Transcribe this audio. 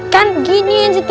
kan gini aja tuh